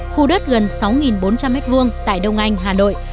khu đất gần sáu bốn trăm linh m hai tại đông anh hà nội